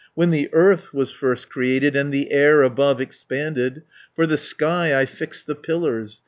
When the earth was first created, And the air above expanded; For the sky I fixed the pillars.